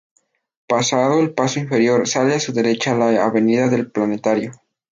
Pasado el paso inferior, sale a su derecha la avenida del Planetario.